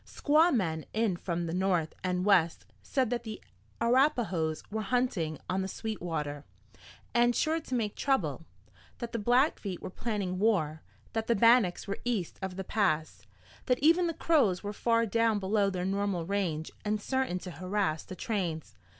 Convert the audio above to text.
Squaw men in from the north and west said that the Arapahoes were hunting on the Sweetwater, and sure to make trouble; that the Blackfeet were planning war; that the Bannacks were east of the Pass; that even the Crows were far down below their normal range and certain to harass the trains.